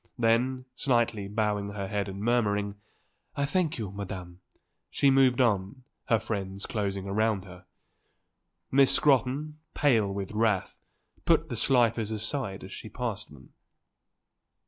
Then, slightly bowing her head and murmuring: "I thank you, Madam," she moved on, her friends closing round her. Miss Scrotton, pale with wrath, put the Slifers aside as she passed them.